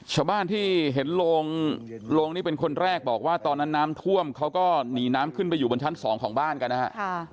ชาวบ้านที่เห็นโรงโลงนี่เป็นคนแรกบอกว่าตอนนั้นน้ำท่วมเขาก็หนีน้ำขึ้นไปอยู่บนชั้นสองของบ้านกันนะฮะ